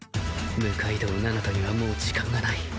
六階堂七斗にはもう時間がない